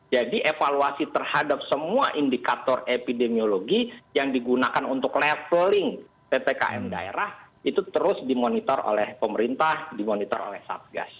jadi evaluasi terhadap semua indikator epidemiologi yang digunakan untuk leveling ppkm daerah itu terus dimonitor oleh pemerintah dimonitor oleh subgas